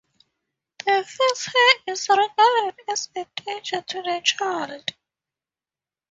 The first hair is regarded as a danger to the child.